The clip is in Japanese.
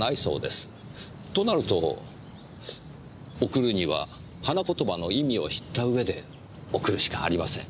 となると贈るには花言葉の意味を知った上で贈るしかありません。